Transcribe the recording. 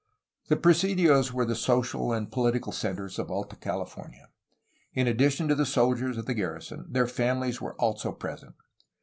The presidios were the social and poHtical centres of Alta California. In addition to the soldiers of the garrision, their famifies were also present.